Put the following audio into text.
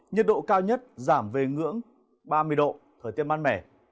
nhiệt độ cao nhất giảm về ngưỡng ba mươi độ thời tiết mát mẻ